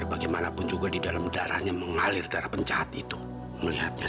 sampai jumpa di video selanjutnya